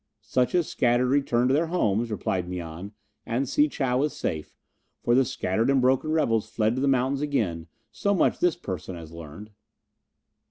"Such as survived returned to their homes," replied Mian, "and Si chow is safe, for the scattered and broken rebels fled to the mountains again; so much this person has learned."